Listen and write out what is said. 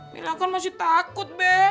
bilang kan masih takut be